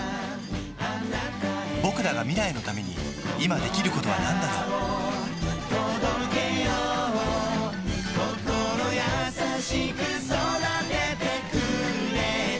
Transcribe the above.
ぼくらが未来のために今できることはなんだろう心優しく育ててくれた